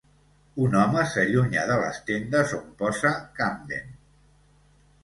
Un home s'allunya de les tendes, on posa "Camden".